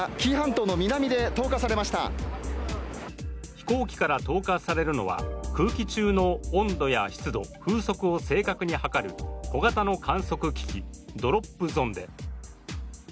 飛行機から投下されるのは空気中の温度や湿度、風速を正確に測る小型の観測機器、ドロップゾンデ。